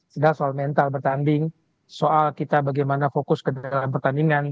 sedang soal mental bertanding soal kita bagaimana fokus ke dalam pertandingan